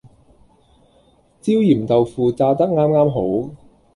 焦鹽豆腐炸得啱啱好